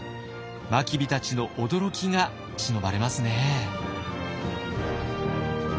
真備たちの驚きがしのばれますね。